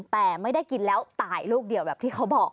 แต่ไม่ได้กินแล้วตายลูกเดียวแบบที่เขาบอก